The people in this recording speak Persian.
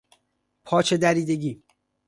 پاچه دریدگی